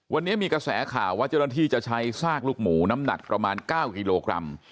วันนี้มีกระแสข่าวว่าเจ้าหน้าที่จะใช้ซากลูกหมูน้ำหนักประมาณ๙กิโลกรัม